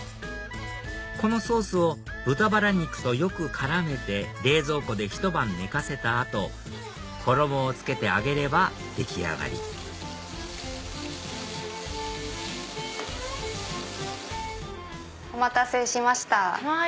このソースを豚ばら肉とよく絡めて冷蔵庫でひと晩寝かせた後衣をつけて揚げれば出来上がりお待たせしました。